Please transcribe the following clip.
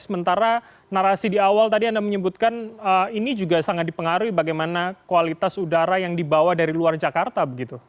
sementara narasi di awal tadi anda menyebutkan ini juga sangat dipengaruhi bagaimana kualitas udara yang dibawa dari luar jakarta